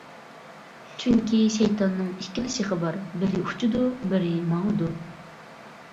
چۈنكى، شەيتاننىڭ ئىككىلا شېخى بار: بىرى ئۇچىدۇ، بىرى ماڭىدۇ.